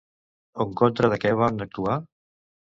En contra de què van actuar?